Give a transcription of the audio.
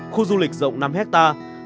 khu du lịch rộng năm hectare